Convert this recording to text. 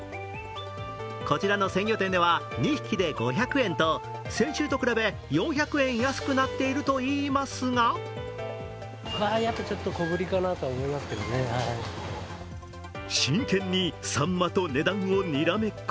こちらの鮮魚店では、２匹で５００円と先週と比べ、４００円安くなっているといいますが真剣にさんまと値段をにらめっこ。